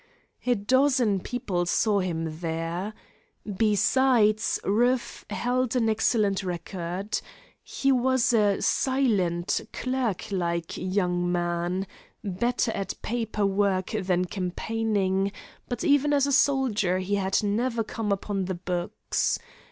A dozen people saw him there. Besides, Rueff held an excellent record. He was a silent, clerk like young man, better at "paper work" than campaigning, but even as a soldier he had never come upon the books.